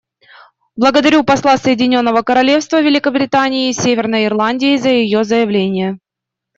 Благодарю посла Соединенного Королевства Великобритании и Северной Ирландии за ее заявление.